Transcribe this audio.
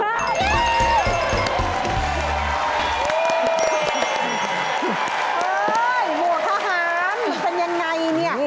เฮ้ยหัวทหารมันเป็นยังไงเนี่ย